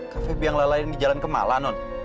kafe bianglala yang di jalan kemala non